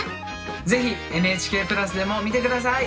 是非「ＮＨＫプラス」でも見て下さい。